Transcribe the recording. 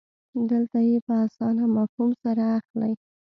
دلته یې په اسانه مفهوم سره اخلئ.